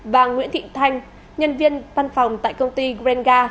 và nguyễn thị thanh nhân viên văn phòng tại công ty greenga